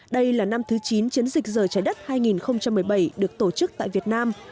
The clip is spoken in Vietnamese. đây là năm thứ chín chiến dịch giờ trái đất hai nghìn một mươi bảy được tổ chức tại việt nam